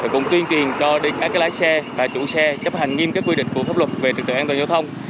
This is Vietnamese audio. cũng tuyên truyền cho các lái xe và chủ xe chấp hành nghiêm quy định của pháp luật về trật tự an toàn giao thông